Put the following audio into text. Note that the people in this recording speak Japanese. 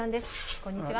こんにちは。